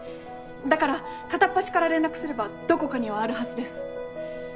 だから片っ端から連絡すればどこかにはあるはずです